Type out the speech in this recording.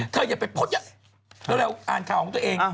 เธออย่าไปพดเท่าไหร่อ่านข่าวของตัวเอง